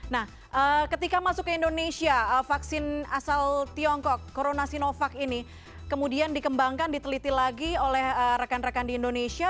nah ketika masuk ke indonesia vaksin asal tiongkok corona sinovac ini kemudian dikembangkan diteliti lagi oleh rekan rekan di indonesia